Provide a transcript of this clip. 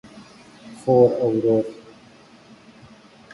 خور او ورور